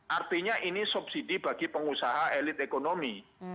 artinya ini subsidi bagi pengusaha elit ekonomi